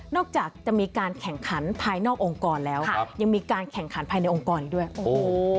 จากจะมีการแข่งขันภายนอกองค์กรแล้วครับยังมีการแข่งขันภายในองค์กรอีกด้วยโอ้โห